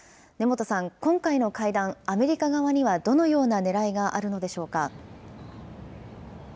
根本さん、今回の会談、アメリカ側にはどのようなねらいがあるのでしょうか。